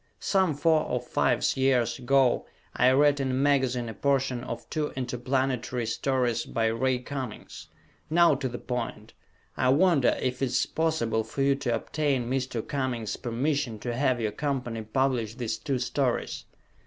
Some four or fives years ago I read in a magazine a portion of two interplanetary stories by Ray Cummings. Now to the point, I wonder if it is possible for you to obtain Mr. Cummings' permission to have your company publish these two stories?